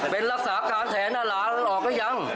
เป็นรักษาการแทนนะหลานออกหรือยัง